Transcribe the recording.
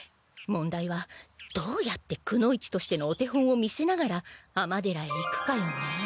問題はどうやってくの一としてのお手本を見せながら尼寺へ行くかよね。